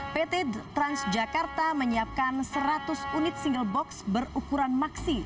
pt transjakarta menyiapkan seratus unit single box berukuran maksi